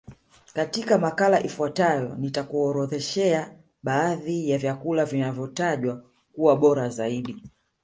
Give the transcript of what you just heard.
Katika makala ifuatayo nitakuorodhoshea baadhi ya vyakula vinavyotajwa kuwa bora zaidi